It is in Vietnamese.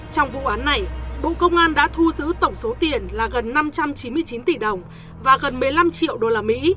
trong vụ án này bộ công an đã thu giữ tổng số tiền là gần năm trăm chín mươi chín tỷ đồng và gần một mươi năm triệu usd